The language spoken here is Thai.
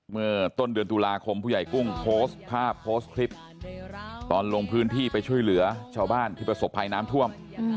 เมื่อต้นเดือนตุลาคมผู้ใหญ่กุ้งโพสต์ภาพโพสต์คลิปตอนลงพื้นที่ไปช่วยเหลือชาวบ้านที่ประสบภัยน้ำท่วม